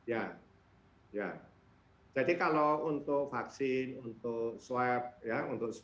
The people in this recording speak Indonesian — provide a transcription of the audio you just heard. yang lewat menggorengkan putih itu yang lewat menggorengkan putih itu yang lewat menggorengkan putih itu